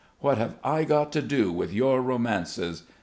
What have I got to do with your romances?